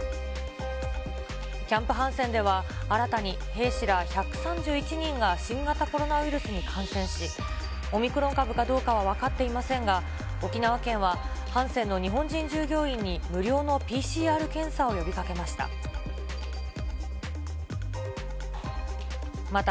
キャンプ・ハンセンでは新たに兵士ら１３１人が新型コロナウイルスに感染し、オミクロン株かどうかは分かっていませんが、沖縄県はハンセンの日本人従業員に無料のＰＣＲ検査を呼びかけました。